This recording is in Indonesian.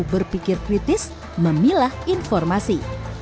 berpikir kritis memilah informasi